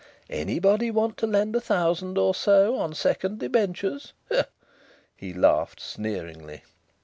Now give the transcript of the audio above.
Anybody want to lend a thousand or so on second debentures?" He laughed sneeringly.